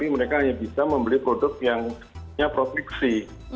mereka hanya bisa membeli produk yang punya protriksi